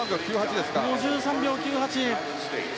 ５３秒９８。